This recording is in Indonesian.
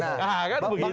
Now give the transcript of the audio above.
nah kan begitu